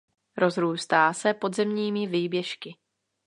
Rozrůstá se podzemními výběžky.